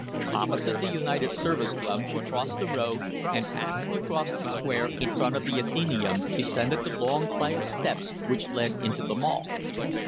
Opposite the United Service Club she crossed the road, and passing across the square in front of the Athenæum, descended the long flight of steps which led into the Mall.